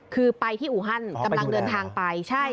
คือไปที่อูฮันกำลังเดินทางไปใช่